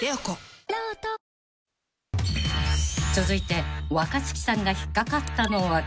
［続いて若槻さんが引っ掛かったのは］